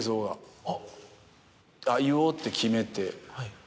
言おうって決めて。